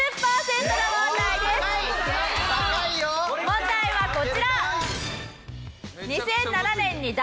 問題はこちら。